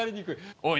おい。